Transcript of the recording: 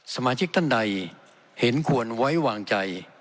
สมาชิกท่านใดเห็นควรไว้วางใจ